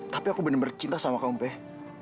tapi aku bener bener cinta sama kamu peh